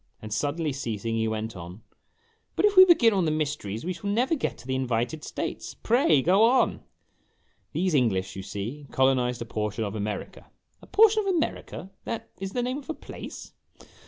Then suddenly ceasing he went on, " But if we begin on the mysteries we shall never get to the invited states. Pray go on." "These English, you see, colonized a portion of America "" A portion of America that is the name of a place